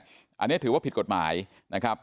อันนี้ถือว่าผิดกฎหมายนะครับ